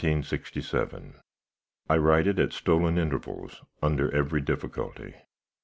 I write it at stolen intervals, under every difficulty.